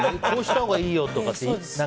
こうしたほうがいいよとかって。